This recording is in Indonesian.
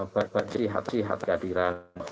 berbahagia sihat kehadiran